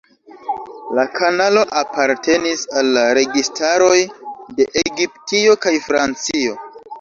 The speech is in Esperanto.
La kanalo apartenis al la registaroj de Egiptio kaj Francio.